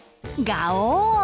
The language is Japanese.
ガオー！